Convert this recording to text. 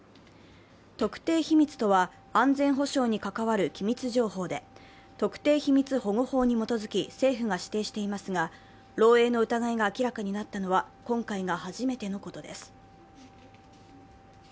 特定秘密とは安全保障に関わる機密情報で、特定秘密保護法に基づき政府が指定していますが漏えいの疑いが明らかになったのは今回が初めてのことです。